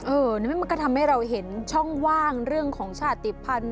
มันก็ทำให้เราเห็นช่องว่างเรื่องของชาติภัณฑ์